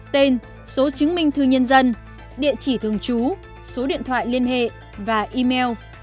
tên số chứng minh thư nhân dân địa chỉ thường trú số điện thoại liên hệ và email